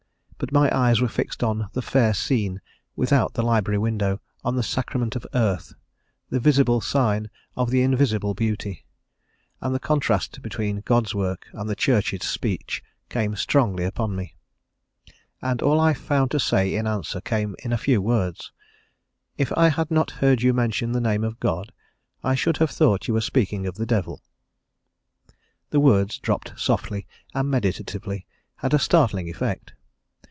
But my eyes were fixed on the fair scene without the library window, on the sacrament of earth, the visible sign of the invisible beauty, and the contrast between God's works and the Church's speech came strongly upon me. And all I found to say in answer came in a few words: "If I had not heard you mention the name of God, I should have thought you were speaking of the Devil." The words, dropped softly and meditatively, had a startling effect.